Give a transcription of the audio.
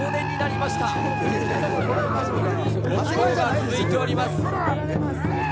まだ続いております。